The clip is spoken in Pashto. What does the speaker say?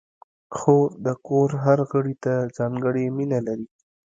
خور د کور هر غړي ته ځانګړې مینه لري.